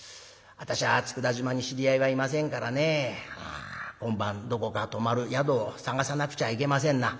私は佃島に知り合いはいませんからね今晩どこか泊まる宿を探さなくちゃいけませんな」。